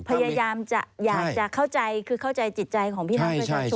พยายามจะอยากจะเข้าใจคือเข้าใจจิตใจของพี่น้องประชาชน